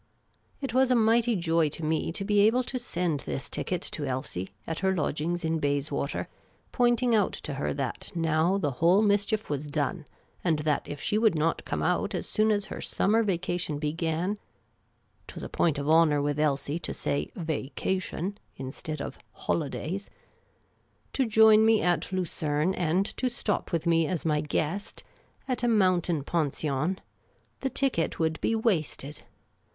It was a mighty joy to me to be able to send this ticket to Elsie, at her lodgings in Bayswater, pointing out to her that now the whole mischief was done, and that if she would not come out as soon as her summer vacation began — 't was a point of honour with Elsie to say vacation, instead o{ holidays — to join me at Lucerne, and stop with me as my guest at a mountain pension, the ticket would be wasted.